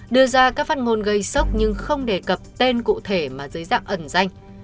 đưa ra các phát ngôn gây sốc nhưng không đề cập tên cụ thể mà dưới dạng ẩn danh